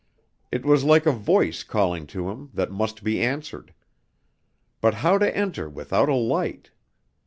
It was like a voice calling to him that must be answered. But how to enter without a light!